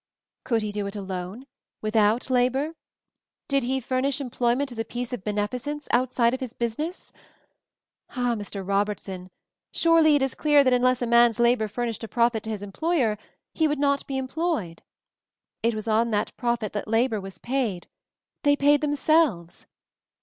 "Could he do it alone — without 'labor?' Did he furnish employment as a piece of beneficence, outside of his business — Ah, Mr. Robertson, surely it is clear that unless a man's labor furnished a profit to his em ployer, he would not be employed. It was on that profit that 'labor' was paid — they paid themselves.